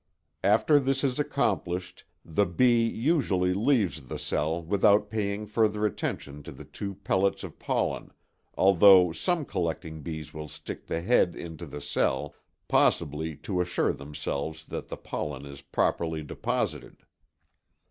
After this is accomplished the bee usually leaves the cell without paying further attention to the two pellets of pollen although some collecting bees will stick the head into the cell, possibly to assure themselves that the pollen is properly deposited.